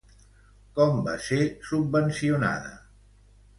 Com va ser subvencionada?